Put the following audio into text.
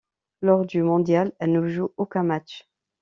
Lors du mondial, elle ne joue aucun match.